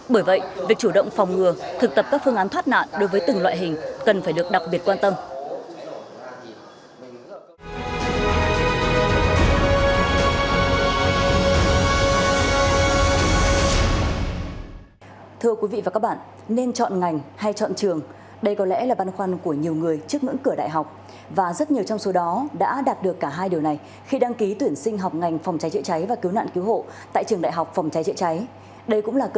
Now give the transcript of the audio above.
bởi vậy việc chủ động phòng ngừa thực tập các phương án thoát nạn đối với từng loại hình cần phải được đặc biệt quan tâm